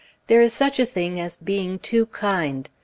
There is such a thing as being too kind.